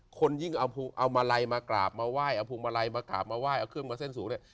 คนยิ่งเอามาลัยมากราบมาไหว้เอาพวงมาลัยมากราบมาไหว้เอาเครื่องมาเส้นสูงเนี่ย